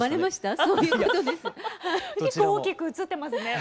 結構大きく写ってますね。